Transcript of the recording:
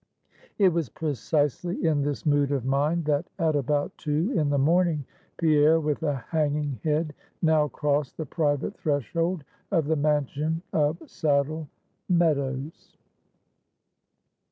It was precisely in this mood of mind that, at about two in the morning, Pierre, with a hanging head, now crossed the private threshold of the Mansion of Saddle Meadows.